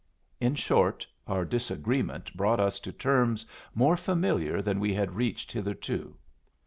In short, our disagreements brought us to terms more familiar than we had reached hitherto.